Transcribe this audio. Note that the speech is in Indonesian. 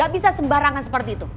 gak bisa sembarangan seperti itu